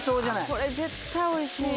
これ絶対おいしい。